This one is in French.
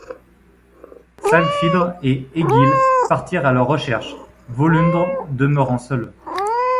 Slagfidr et Egill partirent à leur recherche, Völundr demeurant seul.